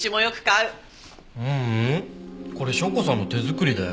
ううんこれ紹子さんの手作りだよ。